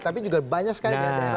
tapi juga banyak sekali daerah